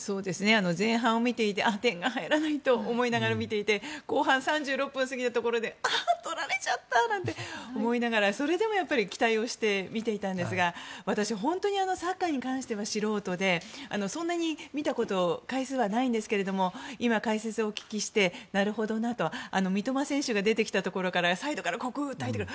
前半を見ていて点が入らないと思って見ていて後半３６分過ぎたところでああとられちゃったって思いながら期待をして見てたんですが私は本当にサッカーに関しては素人でそんなに見たこと回数はないんですけども今、解説をお聞きしてなるほどなと、三笘選手が出てきたところからサイドから入ってくる。